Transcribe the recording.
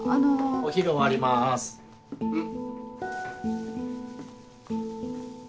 お昼終わりますんっ。